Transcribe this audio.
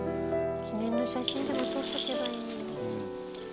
記念の写真でも撮っとけばいいのに。